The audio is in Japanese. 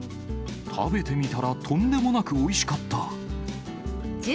食べてみたら、とんでもなくおいしかった。